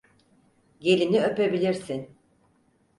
Gelini öpebilirsin.